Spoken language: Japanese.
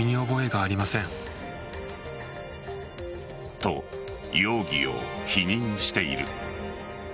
と、容疑を否認している。